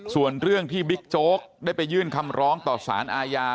ส่วนเรื่องที่บิ๊กโจ๊กได้ไปยื่นคำร้องต่อสารอาญา